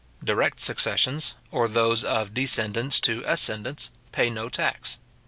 Direct successions, or those of descendants to ascendants, pay no tax.